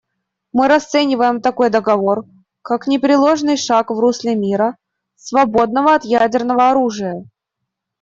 Мы расцениваем такой договор как непреложный шаг в русле мира, свободного от ядерного оружия.